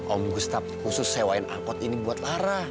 om gustaf khusus sewain angkot ini buat lara